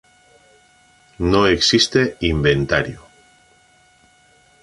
No existe inventario.